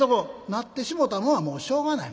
「なってしもうたのはもうしょうがない」。